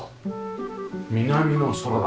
南の空だ。